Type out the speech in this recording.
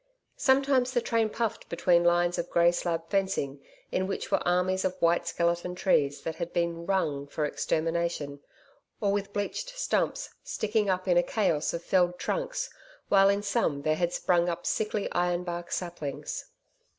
Sometimes the train puffed between lines of grey slab fencing in which were armies of white skeleton trees that had been 'rung' for extermination, or with bleached stumps sticking up in a chaos of felled trunks, while in some there had sprung up sickly iron bark saplings.